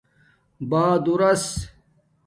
بہادورس